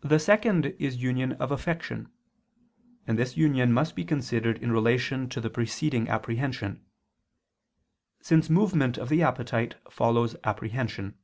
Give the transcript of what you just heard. The second is union of affection: and this union must be considered in relation to the preceding apprehension; since movement of the appetite follows apprehension.